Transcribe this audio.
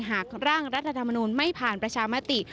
หากร่างรัฐธรรมนูลไม่ผ่านประชามติ